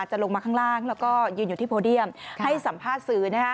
ลงมาข้างล่างแล้วก็ยืนอยู่ที่โพเดียมให้สัมภาษณ์สื่อ